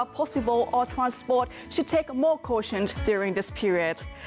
โปรดติดตามตอนต่อไป